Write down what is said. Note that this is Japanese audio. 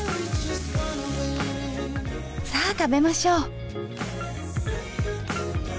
さぁ食べましょう。